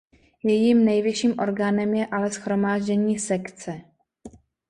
Jejím nejvyšším orgánem je ale Shromáždění sekce.